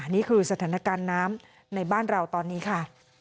นี่คือสถานการณ์น้ำในบ้านเราตอนนี้ค่ะ